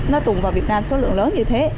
nó tuồn vào việt nam số lượng lớn như thế